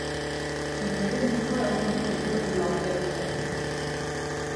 Төндәрен йоҡлай алмай ҡыҙҙы уйлап ятты.